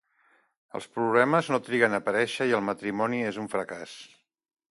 Els problemes no triguen a aparèixer i el matrimoni és un fracàs.